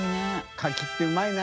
カキってうまいな。